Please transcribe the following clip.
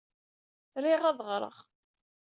Riɣ ad ɣreɣ.